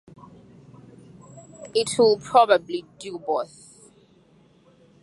It'll probably do both.